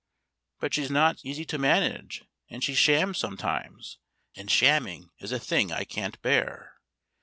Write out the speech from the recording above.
But she's not easy to manage, and she shams sometimes, and shamming is a thing I can't bear.